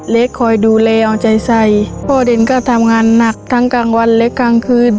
คอยดูแลเอาใจใส่พ่อเดนก็ทำงานหนักทั้งกลางวันและกลางคืน